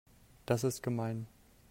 Das ist gemein.